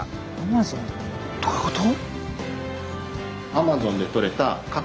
どういうこと？